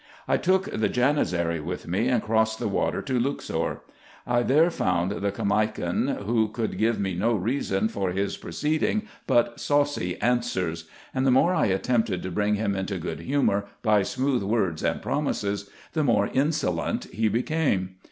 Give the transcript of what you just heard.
I took the Janizary with me, and crossed the water to Luxor. I there found the Caimakan, who could give me no reason for his proceeding IN EGYPT, NUBIA, &c 47 but saucy answers ; and the more I attempted to bring him into good humour by smooth words and promises, the more inso lent he became.